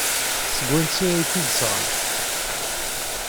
Seg wansi ay t-id-sɣant?